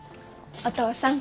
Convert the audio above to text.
お父さん。